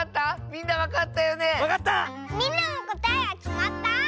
みんなもこたえはきまった？